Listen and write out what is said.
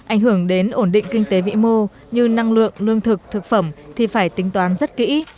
ảnh hưởng đến ổn định kinh tế vĩ mô như năng lượng lương thực thực phẩm thì phải tính toán rất kỹ